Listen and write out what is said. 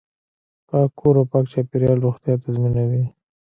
پاک کور او پاک چاپیریال روغتیا تضمینوي.